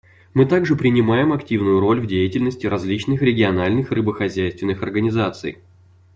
Мы также принимаем активную роль в деятельности различных региональных рыбохозяйственных организаций.